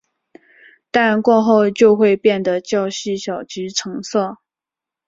但过后就会变得较细小及沉色。